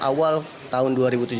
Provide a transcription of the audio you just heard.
awal tahun dua ribu tujuh belas